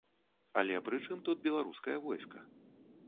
Але пры чым тут беларускае войска?